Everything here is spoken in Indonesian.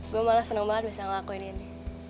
gue malah seneng banget bisa ngelakuin ini